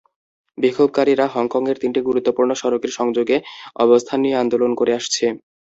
বিক্ষোভকারীরা হংকংয়ের তিনটি গুরুত্বপূর্ণ সড়কের সংযোগে অবস্থান নিয়ে আন্দোলন করে আসছে।